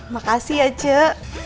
makasih ya cik